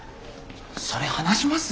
それ話します？